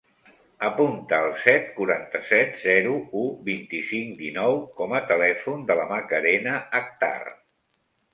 Apunta el set, quaranta-set, zero, u, vint-i-cinc, dinou com a telèfon de la Macarena Akhtar.